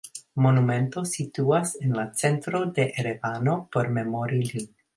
Monumento situas en la centro de Erevano por memori lin.